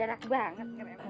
itu kayakgies tiyuh tuh